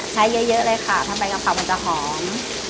ใช้เยอะเลยค่ะถ้าใบกะเพรามันจะหอม